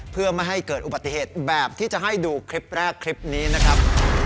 เพื่อไม่ให้เกิดอุบัติเหตุแบบที่จะให้ดูคลิปแรกคลิปนี้นะครับ